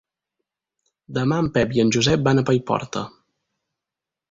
Demà en Pep i en Josep van a Paiporta.